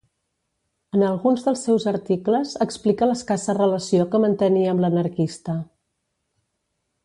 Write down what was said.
En alguns dels seus articles explica l'escassa relació que mantenia amb l'anarquista.